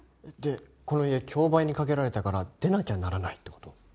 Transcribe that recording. でこの家競売にかけられたから出なきゃならないってこと？